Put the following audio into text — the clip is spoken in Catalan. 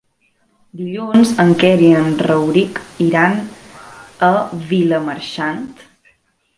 Dilluns en Quer i en Rauric iran a Vilamarxant.